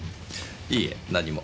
いいえ何も。